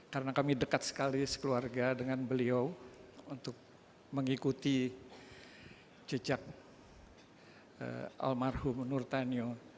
karena kami dekat sekali sekeluarga dengan beliau untuk mengikuti jejak almarhum nurtanio